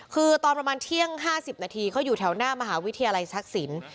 คือตอนประมาณเที่ยงห้าสิบนาทีเขาอยู่แถวหน้ามหาวิทยาลัยชักศิลป์